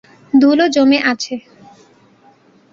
ধুলো জমে আছে।